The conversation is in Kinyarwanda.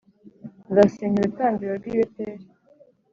nzasenya urutambiro rw’i Beteli,